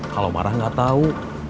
kalo marah gak tau